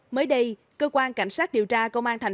mới đây cơ quan cảnh sát điều tra công an tp hcm